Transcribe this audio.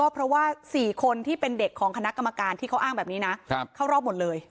เพราะว่า๔คนที่เป็นเด็กของคณะกรรมการที่เขาอ้างแบบนี้นะเข้ารอบหมดเลย